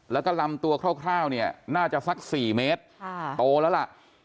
แล้วก็ลำตัวคร่าวเนี่ยน่าจะสัก๔เมตรโตแล้วล่ะ